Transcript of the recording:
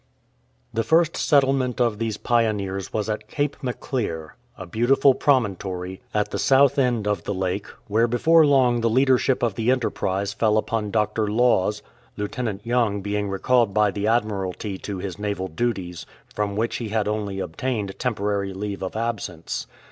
The first settlement of these pioneers was at Cape Maclear, a beautiful promontory at the south end of the 136 GRAVESTONES AND MILESTONES lake, where before long the leadership of the enterprise fell upon Dr. Laws, Lieutentant Young being recalled by the Admiralty to his naval duties, from which he had only obtained temporary leave of absence.